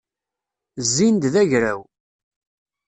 Zzin-d d agraw.